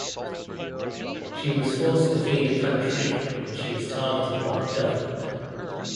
She was forced to flee the country when she was targeted by the government.